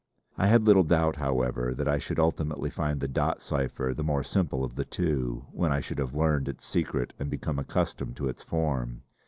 I had little doubt, however, that I should ultimately find the dot cipher the more simple of the two, when I should have learned its secret and become accustomed to its form.